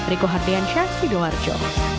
riku hardean syah sidoarjo